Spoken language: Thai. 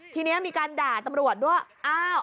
ทีนี้มีการด่าตำรวจด้วยอ้าว